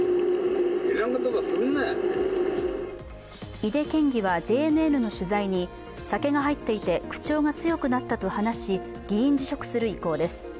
井手県議はＪＮＮの取材に酒が入っていて口調が強くなったと話し議員辞職する意向です。